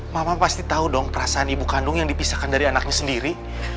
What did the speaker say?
mama pasti tahu dong perasaan ibu kandung yang dipisahkan dari anaknya sendiri